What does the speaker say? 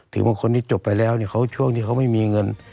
บางคนที่จบไปแล้วช่วงที่เขาไม่มีเงิน